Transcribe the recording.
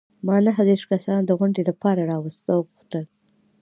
ما نهه دیرش کسان د غونډې لپاره راوغوښتل.